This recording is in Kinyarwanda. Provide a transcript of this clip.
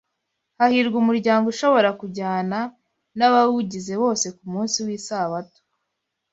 Hahirwa umuryango ushobora kujyana n’abawugize bose ku munsi w’Isabato